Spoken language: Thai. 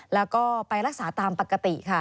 แล้วก็ไปรักษาตามปกติค่ะ